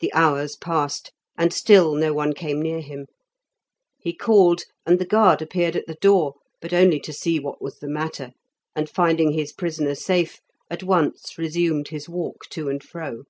The hours passed, and still no one came near him; he called, and the guard appeared at the door, but only to see what was the matter, and finding his prisoner safe, at once resumed his walk to and fro.